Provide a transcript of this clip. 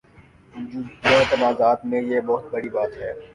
موجودہ تناظر میں یہ بہت بڑی بات ہے۔